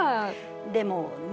でもね。